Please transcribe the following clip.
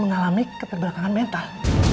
mengalami keterbakangan mental